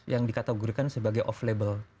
yang dikategorikan sebagai off label